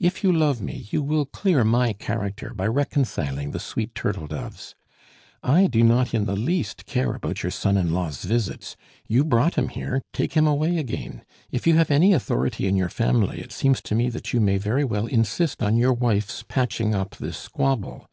If you love me, you will clear my character by reconciling the sweet turtle doves. "I do not in the least care about your son in law's visits; you brought him here take him away again! If you have any authority in your family, it seems to me that you may very well insist on your wife's patching up this squabble.